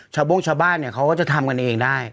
โบ้งชาวบ้านเนี่ยเขาก็จะทำกันเองได้